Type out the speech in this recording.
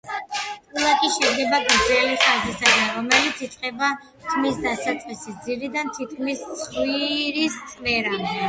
ტილაკი შედგება გრძელი ხაზისგან, რომელიც იწყება თმის დასაწყისის ძირიდან თითქმის ცხვირის წვერამდე.